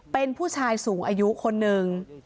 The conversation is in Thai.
เป็นผู้ชายสูงอายุคนหนึ่ง